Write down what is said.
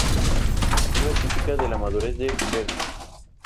Obra típica de la madurez de Vermeer.